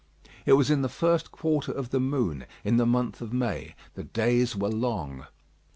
It was in the first quarter of the moon, in the month of May; the days were long.